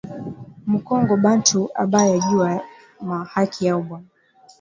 Mu kongo bantu abaya juwa ma haki yabo